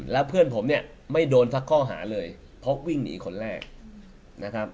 แล้วเพื่อนผมเนี่ยไม่โดนสักข้อหาเลยเพราะวิ่งหนีคนแรกนะครับ